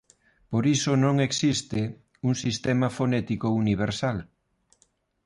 Por iso non existe un sistema fonético universal.